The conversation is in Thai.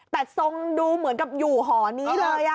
แต่ทรงดูเหมือนกับอยู่หอนี้เลย